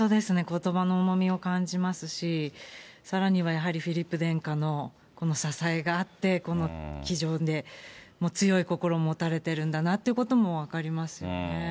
ことばの重みを感じますし、さらにはやはりフィリップ殿下のこの支えがあって、この気丈で強い心を持たれてるんだなってことも分かりますよね。